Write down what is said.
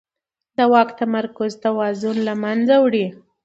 د واک تمرکز توازن له منځه وړي